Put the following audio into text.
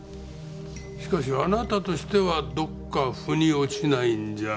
しかしあなたとしてはどこか腑に落ちないんじゃ？